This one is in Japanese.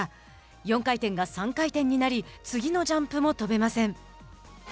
４回転が３回転になり次のジャンプも跳べません。